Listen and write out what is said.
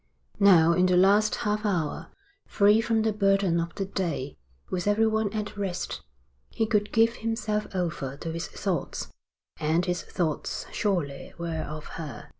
Now in that last half hour, free from the burden of the day, with everyone at rest, he could give himself over to his thoughts, and his thoughts surely were of her.